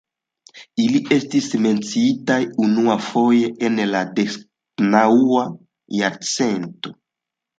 Ili estis menciitaj unuafoje en la deknaŭa jarcento.